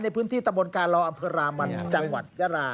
ในพื้นที่ตะบนกาลออำเภอรามันจังหวัดยารา